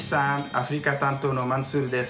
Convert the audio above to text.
アフリカ担当のマンスールです。